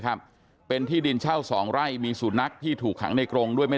ครับเป็นที่ดินเช่าสองไร่มีสุนัขที่ถูกขังในกรงด้วยไม่